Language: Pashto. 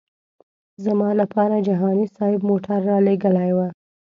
زما لپاره جهاني صاحب موټر رالېږلی و.